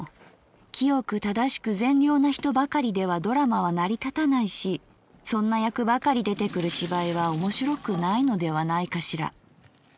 清く正しく善良な人ばかりではドラマは成り立たないしそんな役ばかり出てくる芝居は面白くないのではないかしら。